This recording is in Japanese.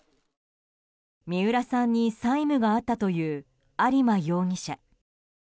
三浦さんに債務があったという有馬容疑者。